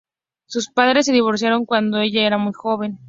Sus padres se divorciaron cuando ella era muy joven.